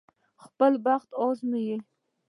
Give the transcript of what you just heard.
خپل بخت وازمايي.